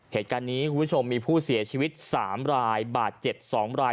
เหตุการณ์นี้คุณผู้ชมมีผู้เสียชีวิตสามรายบาทเจ็บสองราย